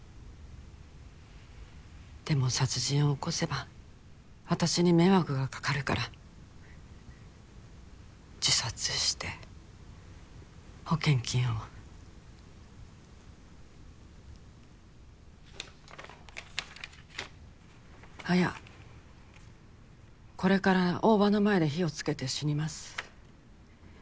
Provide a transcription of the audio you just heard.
でも殺人を起こせば私に迷惑がかかるから自殺して保険金を「綾これから大庭の前で火をつけて死にます」